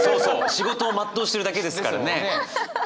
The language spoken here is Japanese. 仕事を全うしてるだけですからね！